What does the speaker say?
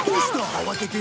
慌てて。